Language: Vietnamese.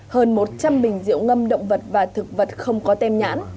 hơn một trăm linh bình rượu ngâm động vật và thực vật không có tem nhãn